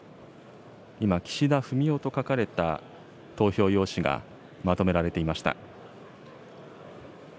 今、岸田文雄と書かれた投票用紙がまとめられていました。